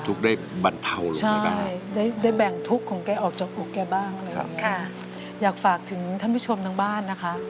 ทุกข์ได้บรรเทาได้แบ่งทุกข์ของแกออกจากอกแกบ้างอยากฝากถึงท่านผู้ชมทั้งบ้านนะคะ